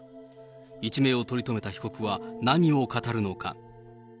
一命を取り留めた被告は、何を語るのか。